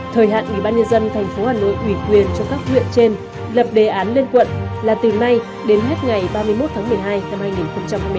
thời hạn ủy ban nhân dân tp hà nội ủy quyền cho các huyện trên lập đề án lên quận là từ nay đến hết ngày ba mươi một tháng một mươi hai năm hai nghìn hai mươi ba